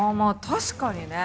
確かにね。